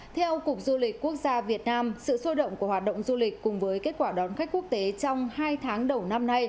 theo cục du lịch quốc gia việt nam sự sôi động của hoạt động du lịch cùng với kết quả đón khách quốc tế trong hai tháng đầu năm nay